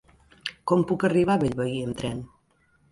Com puc arribar a Bellvei amb tren?